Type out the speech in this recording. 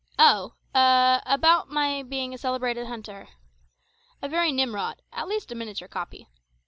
Oh! a about my being a celebrated hunter. A very Nimrod at least a miniature copy.